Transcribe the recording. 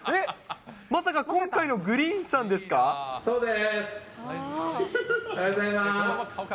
まさか今回のＧｒｅｅｎさんですか？